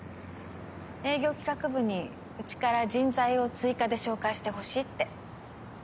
営業企画部にうちから人材を追加で紹介してほしいって。